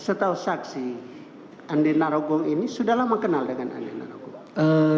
setahu saksi andi narogong ini sudah lama kenal dengan andi narogong